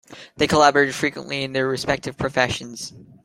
They collaborated frequently in their respective professions.